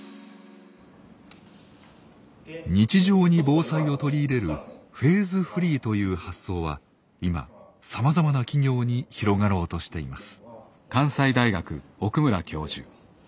日常に防災を取り入れるフェーズフリーという発想は今さまざまな企業に広がろうとしています。